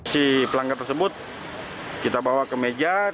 si pelanggar tersebut kita bawa ke meja